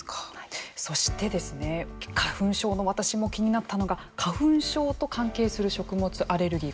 そして、花粉症の私も気になったのが花粉症と関係する食物アレルギー